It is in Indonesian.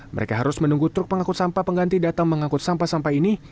mereka harus menunggu truk pengangkut sampah pengganti datang mengangkut sampah sampah ini